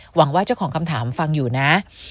หวังว่าเจ้าของคำถามฟังอยู่นะ